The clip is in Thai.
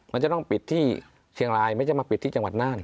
มันจะต้องปิดที่เชียงรายไม่ใช่มาปิดที่จังหวัดน่าน